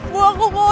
bu aku bu